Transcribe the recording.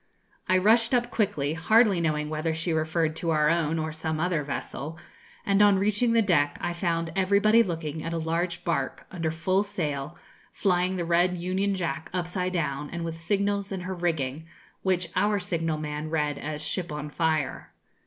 I rushed up quickly, hardly knowing whether she referred to our own or some other vessel, and on reaching the deck I found everybody looking at a large barque, under full sail, flying the red union jack upside down, and with signals in her rigging, which our signal man read as 'Ship on fire.'